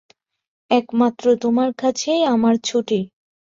একমাত্র তোমার কাছেই আমার ছুটি।